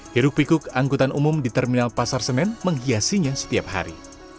hiruk pikuk anggutan umum di terminal pasar senen menghiasinya setiap hari